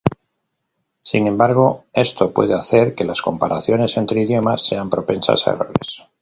Sin embargo, esto puede hacer que las comparaciones entre idiomas sean propensas a errores.